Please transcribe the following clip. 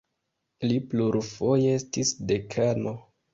Li plurfoje estis dekano.